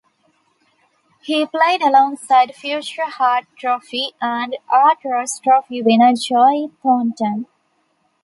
He played alongside future Hart Trophy and Art Ross Trophy winner Joe Thornton.